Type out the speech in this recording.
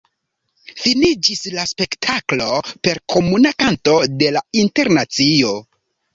Finiĝis la spektaklo per komuna kanto de "la Internacio".